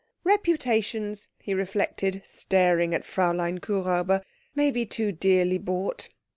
Reputations, he reflected, staring at Fräulein Kuhräuber, may be too dearly bought.